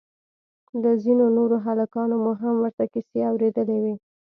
له ځينو نورو هلکانو مو هم ورته کيسې اورېدلې وې.